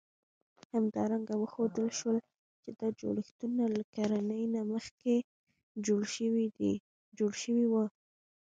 همدارنګه وښودل شول، چې دا جوړښتونه له کرنې نه مخکې جوړ شوي وو.